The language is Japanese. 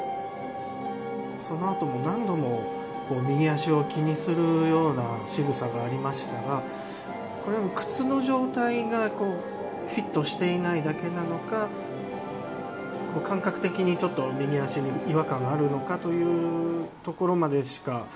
その後も、何度も何度も右足を気にするようなしぐさがありましたがこれは靴の状態がフィットしていないだけなのか感覚的に右足に違和感があるのかというところまでしか。